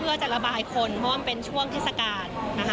เพื่อจะระบายคนเพราะว่ามันเป็นช่วงเทศกาลนะคะ